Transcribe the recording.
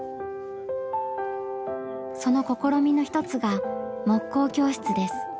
その試みの一つが木工教室です。